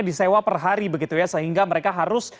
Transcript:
disewa per hari begitu ya sehingga mereka harus